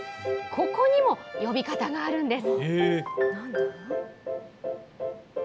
ここにも呼び方があるんです。